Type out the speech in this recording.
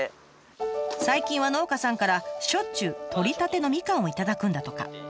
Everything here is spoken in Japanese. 最近は農家さんからしょっちゅう取れたてのみかんを頂くんだとか。